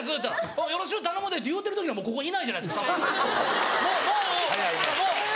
「おうよろしゅう頼むで」って言うてる時にはもうここいないじゃないですかさんまさんもう。